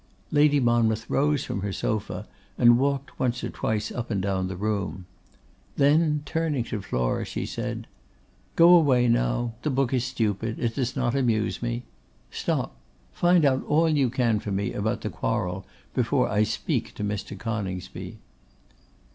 Lady Monmouth rose from her sofa, and walked once or twice up and down the room. Then turning to Flora, she said, 'Go away now: the book is stupid; it does not amuse me. Stop: find out all you can for me about the quarrel before I speak to Mr. Coningsby.